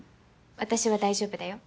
私は大丈夫だよ。